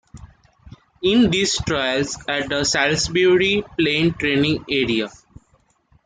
In these trials at the Salisbury Plain training area.